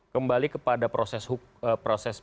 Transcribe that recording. kembali kepada proses